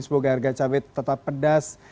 semoga harga cabai tetap pedas